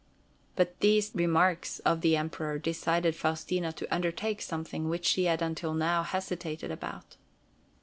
But these remarks of the Emperor decided Faustina to undertake something which she had until now hesitated about.